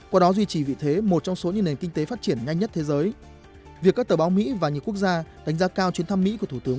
qua đó duy trì vị thế một trong số những nền kinh tế phát triển nhanh nhất thế giới